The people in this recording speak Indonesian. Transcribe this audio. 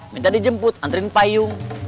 minta dijemput anterin payung